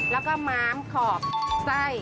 แล้วก็ม้ามขอบไส้